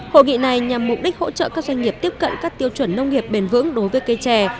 hội nghị này nhằm mục đích hỗ trợ các doanh nghiệp tiếp cận các tiêu chuẩn nông nghiệp bền vững đối với cây chè